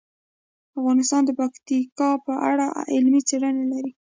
افغانستان د پکتیکا په اړه علمي څېړنې لري.